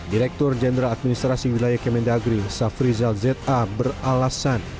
direktur jenderal administrasi wilayah kemendagri safri zal z a beralasan